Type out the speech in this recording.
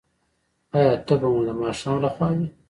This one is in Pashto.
ایا تبه مو د ماښام لخوا وي؟